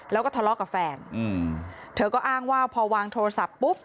แล้วก็ทะเลาะกับแฟนอืมเธอก็อ้างว่าพอวางโทรศัพท์ปุ๊บ